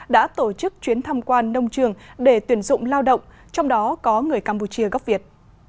đã tổ chức chuyến thăm quan nông trường để tuyển dụng lao động trong đó có người campuchia gốc việt